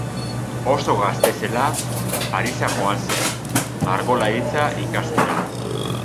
Oso gazte zela, Parisa joan zen, margolaritza ikastera.